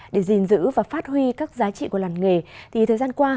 để gìn giữ và phát huy các giá trị của làng nghề thì thời gian qua